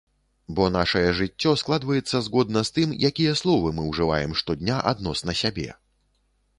Бо нашае жыццё складваецца згодна з тым, якія словы мы ўжываем штодня адносна сябе.